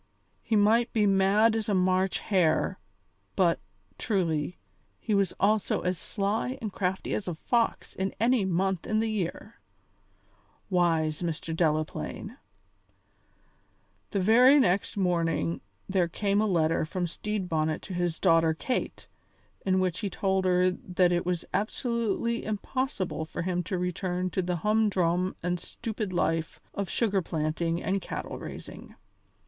He might be mad as a March hare, but, truly, he was also as sly and crafty as a fox in any month in the year. Wise Mr. Delaplaine! The very next morning there came a letter from Stede Bonnet to his daughter Kate, in which he told her that it was absolutely impossible for him to return to the humdrum and stupid life of sugar planting and cattle raising.